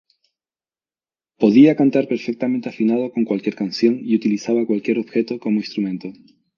Podía cantar perfectamente afinado con cualquier canción, y utilizaba cualquier objeto como instrumento.